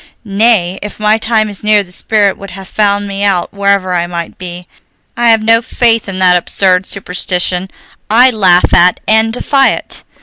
"Nay, if my time is near the spirit would have found me out wherever I might be. I have no faith in that absurd superstition I laugh at and defy it.